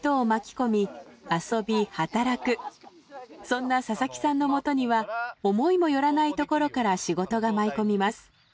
そんな佐々木さんのもとには思いもよらないところから仕事が舞い込みます。